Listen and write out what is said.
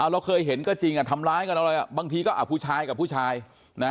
เราเคยเห็นก็จริงทำร้ายกันอะไรบางทีก็ผู้ชายกับผู้ชายนะ